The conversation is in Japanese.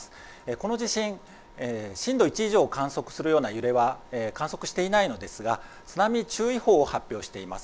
この地震、震度１以上を観測するような揺れは観測していないのですが津波注意報を発表しています。